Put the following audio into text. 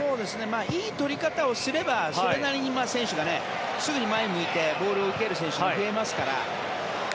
いい取り方をすればそれなりに選手がすぐに前を向いてボールを受ける選手が増えますから。